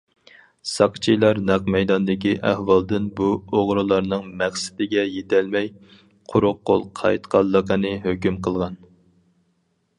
ساقچىلار نەق مەيداندىكى ئەھۋالدىن بۇ ئوغرىلارنىڭ مەقسىتىگە يېتەلمەي، قۇرۇق قول قايتقانلىقىنى ھۆكۈم قىلغان.